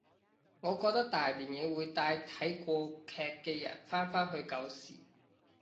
我覺得大電影會帶睇過劇嘅人返返去舊時